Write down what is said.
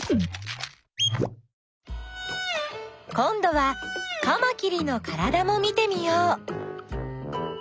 こんどはカマキリのからだも見てみよう。